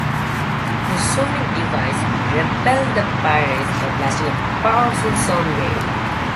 The sonic device repelled the pirates by blasting a powerful sound wave.